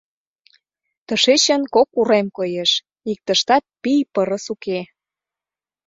— Тышечын кок урем коеш — иктыштат пий-пырыс уке.